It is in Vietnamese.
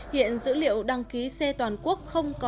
hiện dữ liệu đăng ký xe toàn quốc không có